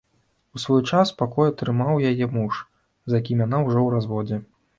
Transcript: У свой час пакой атрымаў яе муж, з якім яна ўжо ў разводзе.